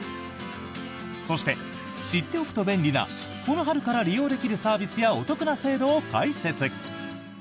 そして、知っておくと便利なこの春から利用できるサービスやお得な制度を解説。